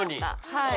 はい。